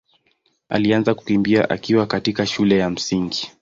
alianza kukimbia akiwa katika shule ya Msingi.